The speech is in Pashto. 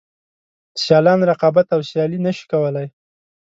سیالان رقابت او سیالي نشي کولای.